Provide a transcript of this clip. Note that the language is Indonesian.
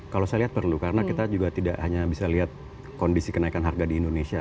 kalau saya lihat perlu karena kita juga tidak hanya bisa lihat kondisi kenaikan harga di indonesia